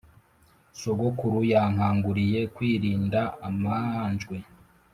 sogokuru yankanguriye kwirinda amanjwe